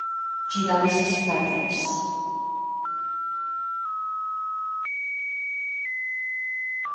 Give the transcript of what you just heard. Girar les espatlles.